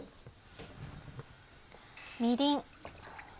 みりん。